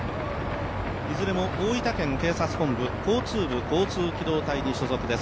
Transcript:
いずれも大分県警察本部交通部交通機動隊に所属です。